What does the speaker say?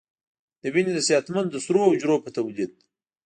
د وینې د صحتمندو سرو حجرو په تولید